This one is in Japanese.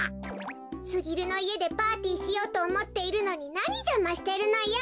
すぎるのいえでパーティーしようとおもっているのになにじゃましてるのよ。